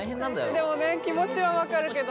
でもね気持ちはわかるけど。